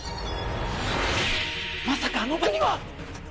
まさかあのバッグには。